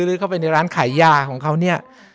หรือเข้าไปในร้านขายยาของเขา